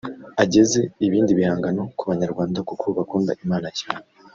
ageze ibindi bihangano ku banyarwanda kuko bakunda Imana cyane